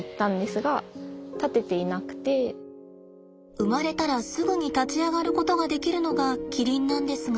生まれたらすぐに立ち上がることができるのがキリンなんですが。